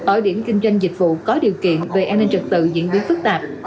ở điểm kinh doanh dịch vụ có điều kiện về an ninh trực tự diễn biến phức tạp